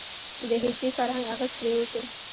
د هیپي فرهنګ اغیز پرې وشو.